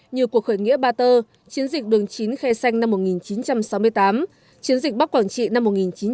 như cuộc khởi nghĩa ba tơ chiến dịch đường chín khe xanh năm một nghìn chín trăm sáu mươi tám chiến dịch bắc quảng trị năm một nghìn chín trăm bảy mươi năm